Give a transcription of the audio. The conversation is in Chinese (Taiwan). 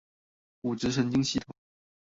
骨質、神經系統